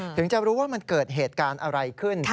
ถึงจะรู้ว่ามันเกิดเหตุการณ์อะไรขึ้น